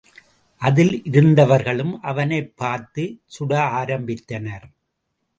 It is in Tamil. அதிலிருந்தவர்களும் அவனைப் பார்த்துச் சுட ஆரம்பித்தனர்.